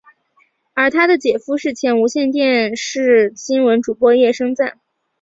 而他的姐夫是前无线电视新闻主播叶升瓒。